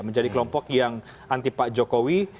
menjadi kelompok yang anti pak jokowi